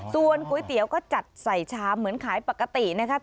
ส่วนก๋วยเตี๋ยวก็จัดใส่ชามเหมือนขายปกตินะคะ